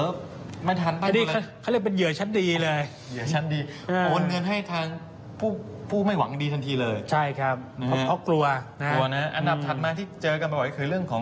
บางคนนี่ถึงถ้าเกิดว่าเป็นคนที่สูงอายุหน่อย